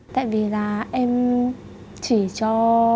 tại vì là em chỉ cho